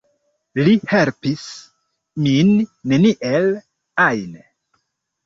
Li helpis min neniel ajn